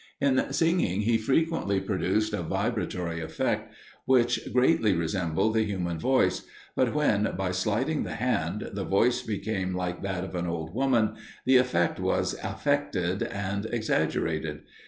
In singing he frequently produced a vibratory effect, which greatly resembled the human voice, but when, by sliding the hand, the voice became like that of an old woman, the effect was affected and exaggerated.